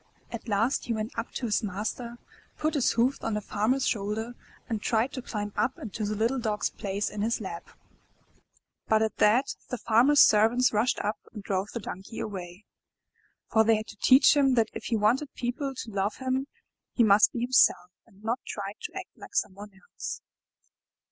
At last he went up to his master, put his hoofs on the Farmer* s shoulder, and tried to climb up into the little Dog's place in his lap. But at that, the Farmer's servants rushed up and drove the Donkey away, for they had to teach him that if he want ed people to love him, he must be himself, and not try to act like someone else.